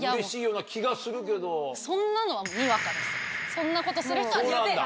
そんなことする人はにわか。